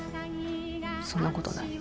そんなことない。